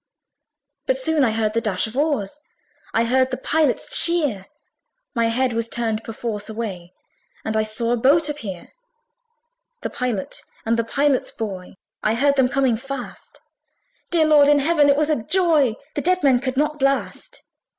But soon I heard the dash of oars; I heard the Pilot's cheer; My head was turned perforce away, And I saw a boat appear. The Pilot, and the Pilot's boy, I heard them coming fast: Dear Lord in Heaven! it was a joy The dead men could not blast.